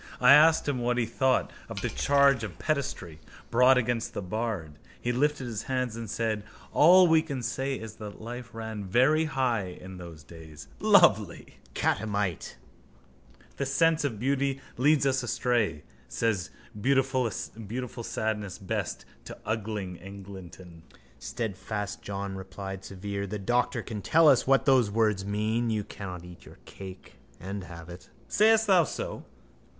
I asked him what he thought of the charge of pederasty brought against the bard. He lifted his hands and said: All we can say is that life ran very high in those days. Lovely! Catamite. —The sense of beauty leads us astray, said beautifulinsadness Best to ugling Eglinton. Steadfast John replied severe: —The doctor can tell us what those words mean. You cannot eat your cake and have it. Sayest thou so?